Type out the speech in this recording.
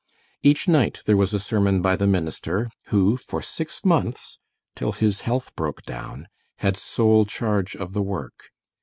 Each night there was a sermon by the minister, who, for six months, till his health broke down, had sole charge of the work.